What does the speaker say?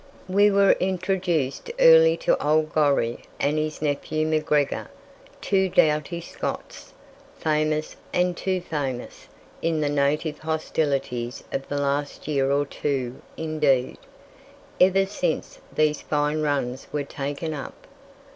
We were introduced early to old Gorrie and his nephew McGregor, two doughty Scots, famous and too famous in the native hostilities of the last year or two indeed, ever since these fine runs were taken up.